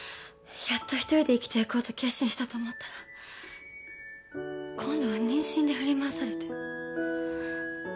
やっと一人で生きていこうと決心したと思ったら今度は妊娠で振り回されて。